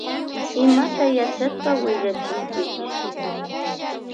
Imata yachashpa willachinkichi.